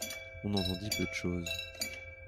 On entendit peu de choses.